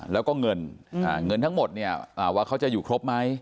แล้วก็เงินเงินทั้งหมดเนี่ยว่าเขาจะอยู่ครบไหม